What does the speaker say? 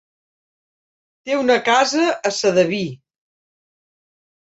Té una casa a Sedaví.